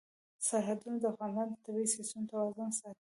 سرحدونه د افغانستان د طبعي سیسټم توازن ساتي.